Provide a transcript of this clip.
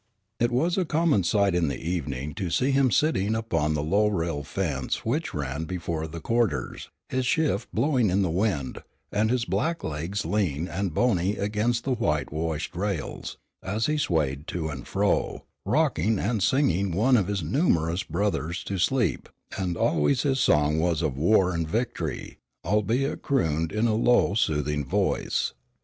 It was a common sight in the evening to see him sitting upon the low rail fence which ran before the quarters, his shift blowing in the wind, and his black legs lean and bony against the whitewashed rails, as he swayed to and fro, rocking and singing one of his numerous brothers to sleep, and always his song was of war and victory, albeit crooned in a low, soothing voice.